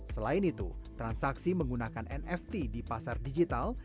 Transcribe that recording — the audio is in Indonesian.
selain itu transaksi menggunakan nft di pasar digital